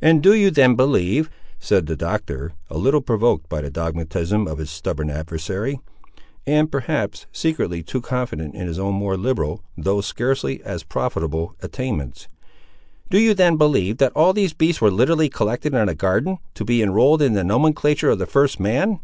"And do you then believe," said the Doctor a little provoked by the dogmatism of his stubborn adversary, and perhaps, secretly, too confident in his own more liberal, though scarcely as profitable, attainments,—"do you then believe that all these beasts were literally collected in a garden, to be enrolled in the nomenclature of the first man?"